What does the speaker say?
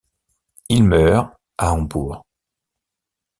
Il meurt à Hambourg.